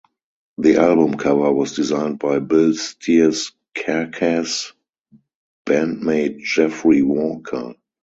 The album cover was designed by Bill Steer's Carcass bandmate Jeffrey Walker.